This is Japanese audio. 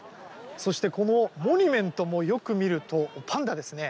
そして、このモニュメントもよく見るとパンダですね。